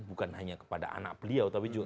bukan hanya kepada anak beliau tapi juga